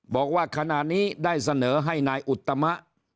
บอกว่าขณะนี้ได้เสนอให้นายอุตมะ